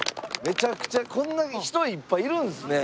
めちゃくちゃこんなに人いっぱいいるんですね。